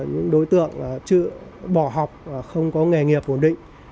những đối tượng bỏ học không có nghề nghiệp ổn định